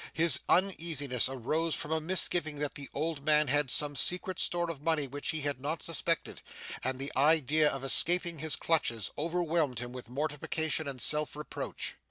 His uneasiness arose from a misgiving that the old man had some secret store of money which he had not suspected; and the idea of its escaping his clutches, overwhelmed him with mortification and self reproach.